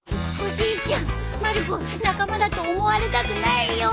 おじいちゃんまる子仲間だと思われたくないよ。